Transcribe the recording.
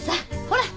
ほら。